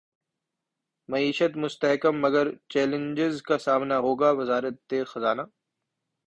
معیشت مستحکم مگر چیلنجز کا سامنا ہوگا وزارت خزانہ